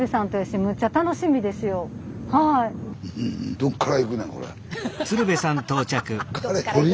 「どっから行くねんこれ」って。